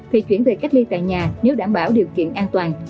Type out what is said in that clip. thì chuyển về cách ly tại nhà nếu đảm bảo điều kiện an toàn